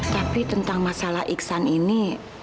tapi tentang masalah iksan ini